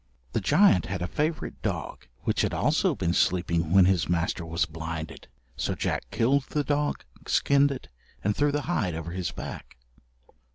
The giant had a favourite dog, which had also been sleeping when his master was blinded. So Jack killed the dog, skinned it, and threw the hide over his back.